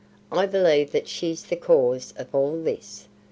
I believe that she's the cause of all this.